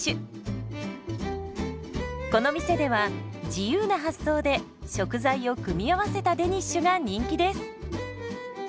この店では自由な発想で食材を組み合わせたデニッシュが人気です。